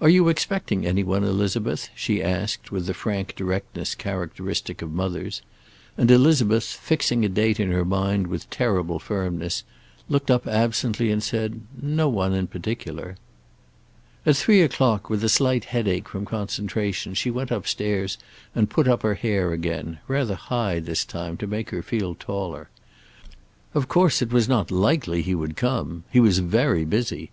"Are you expecting any one, Elizabeth?" she asked, with the frank directness characteristic of mothers, and Elizabeth, fixing a date in her mind with terrible firmness, looked up absently and said: "No one in particular." At three o'clock, with a slight headache from concentration, she went upstairs and put up her hair again; rather high this time to make her feel taller. Of course, it was not likely he would come. He was very busy.